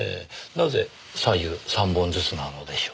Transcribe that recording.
なぜ左右３本ずつなのでしょう？